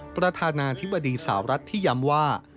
ประธานาธิบดีสาวรัฐที่ย้ำว่า